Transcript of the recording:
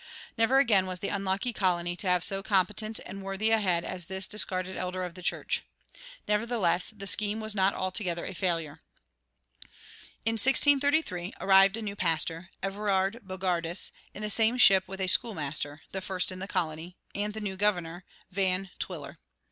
Never again was the unlucky colony to have so competent and worthy a head as this discarded elder of the church. Nevertheless the scheme was not altogether a failure. In 1633 arrived a new pastor, Everard Bogardus, in the same ship with a schoolmaster the first in the colony and the new governor, Van Twiller.